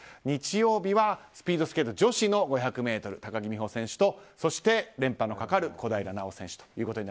日曜日はスピードスケート女子の５００ｍ、高木美帆選手とそして、連覇のかかる小平奈緒選手です。